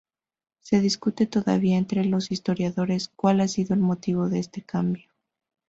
Se discute todavía entre los historiadores cuál ha sido el motivo de este cambio.